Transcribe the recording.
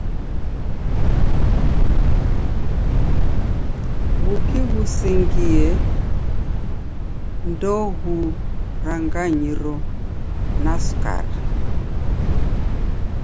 W'uki ghusingie ndoghuranganyiro na skari.